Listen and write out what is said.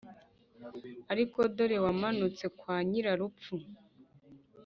Ariko dore wamanutse kwa Nyirarupfu,